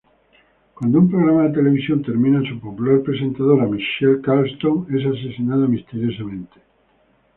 Cuando un programa de televisión termina su popular presentadora Michelle Carlsson, es asesinada misteriosamente.